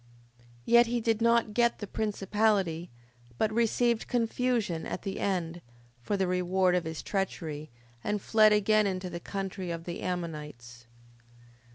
5:7. Yet he did not get the principality, but received confusion at the end, for the reward of his treachery, and fled again into the country of the Ammonites.